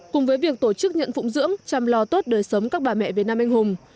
cùng với việc tổ chức nhận phụng dưỡng chăm lo tốt đời sống các bà mẹ việt nam anh hùng